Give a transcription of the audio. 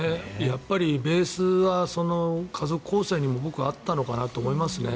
やっぱりベースは家族構成にも僕はあったのかなと思いますね。